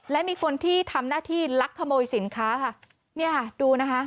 และมีคนที่ทำหน้าที่ลักขโมยสินค้าค่ะเนี่ยดูนะคะ